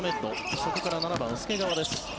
そこから７番、介川です。